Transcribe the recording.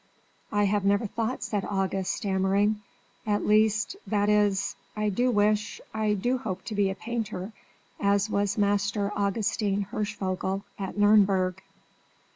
"I have never thought," said August, stammering; "at least that is I do wish I do hope to be a painter, as was Master Augustin Hirschvogel at Nürnberg."